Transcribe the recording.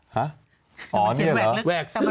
หาอ๋อนี่เหรอแหวกซื้ออ่ะ